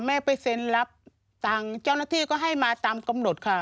แม่ไปเซ็นรับตังค์เจ้าหน้าที่ก็ให้มาตามกำหนดค่ะ